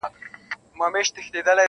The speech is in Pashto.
پروت په سترګو کي مي رنګ رنګ د نسو دی,